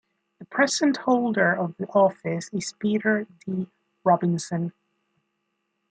The present holder of the office is Peter D. Robinson.